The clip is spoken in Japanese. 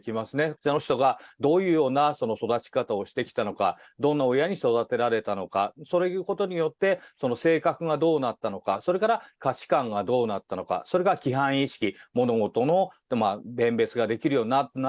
その人がどういうような育ち方をしてきたのか、どんな親に育てられたのか、そういうことによって、性格がどうなったのか、それから価値観がどうなったのか、それが規範意識、物事の弁別ができるようになる、